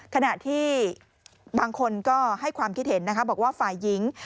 ค่ะถ้าบางคนก็ให้ความคิดเห็นบอกว่าฝ่ายิง